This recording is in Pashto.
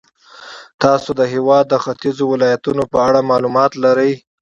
تاسې د هېواد د ختیځو ولایتونو په اړه معلومات لرئ.